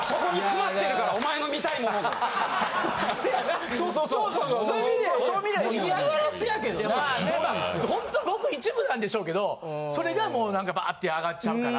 まあほんとごく一部なんでしょうけどそれがもう何かバーッてあがっちゃうから。